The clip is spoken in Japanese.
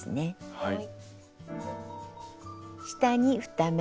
はい。